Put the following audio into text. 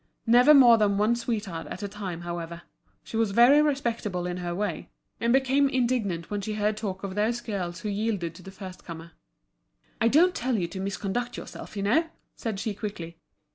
Never more than one sweetheart at a time, however. She was very respectable in her way, and became indignant when she heard talk of those girls who yielded to the first comer. "I don't tell you to misconduct yourself, you know!" said she quickly.